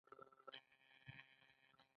د افغانستان ملي سرود په پښتو دی